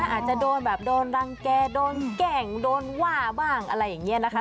อาจจะโดนแบบโดนรังแก่โดนแกล้งโดนว่าบ้างอะไรอย่างนี้นะคะ